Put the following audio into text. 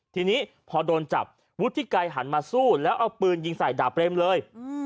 ทีนี้พอโดนจับวุฒิไกรหันมาสู้แล้วเอาปืนยิงใส่ดาบเบรมเลย